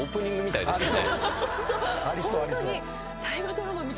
ありそうありそう。